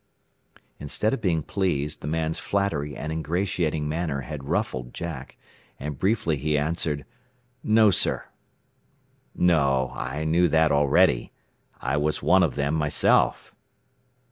] Instead of being pleased, the man's flattery and ingratiating manner had ruffled Jack, and briefly he answered, "No, sir." "No. I knew that already. I was one of them myself."